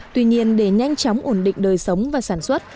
tuy nhiên để nhanh chóng ổn định đời sống và sản xuất